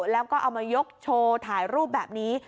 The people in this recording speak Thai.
แล้วก็เอามายกโชว์ถ่ายรูปแบบนี้